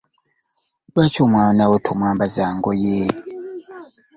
Lwaki omwana wo tomwambaza ngoye?